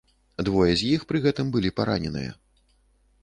Двое з іх пры гэтым былі параненыя.